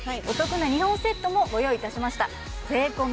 お得な２本セットもご用意いたしましたええっ！